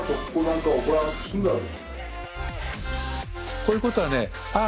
こういうことはねああ